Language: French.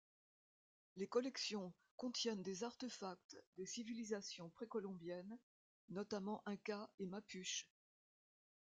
Les collections contiennent des artefacts des civilisations précolombiennes, notamment inca et mapuche.